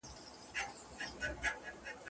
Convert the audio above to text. ساړه بادونه له بهاره سره لوبي کوي